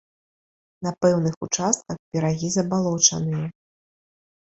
На пэўных участках берагі забалочаныя.